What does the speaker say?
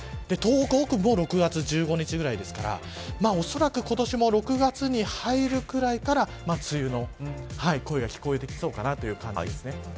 東北北部も６月１５日くらいですからおそらく今年も６月に入るくらいから梅雨の声が聞こえてきそうかなという感じです。